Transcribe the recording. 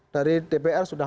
dari dpr sudah